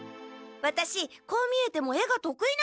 ワタシこう見えても絵が得意なんです。